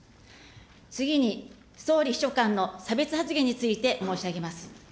次に総理秘書官の差別発言について申し上げます。